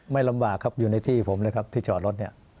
ลำบากครับอยู่ในที่ผมเลยครับที่จอดรถเนี่ย